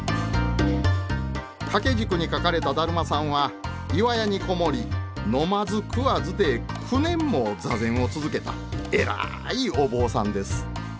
掛け軸に描かれた達磨さんは岩屋に籠もり飲まず食わずで９年も座禅を続けた偉いお坊さんです。